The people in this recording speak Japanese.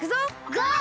ゴー！